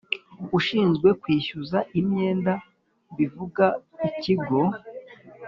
Ushinzwe kwishyuza imyenda bivuga ikigo